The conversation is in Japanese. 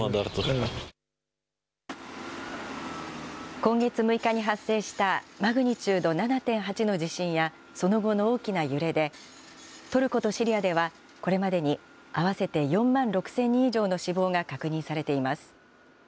今月６日に発生したマグニチュード７．８の地震やその後の大きな揺れで、トルコとシリアではこれまでに合わせて４万６０００人以上の死亡が確認されています。